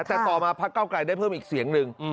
แต่ต่อมาพักเก้าไกลได้เพิ่มอีกเสียงหนึ่ง